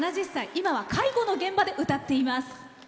今は介護の現場で歌っています。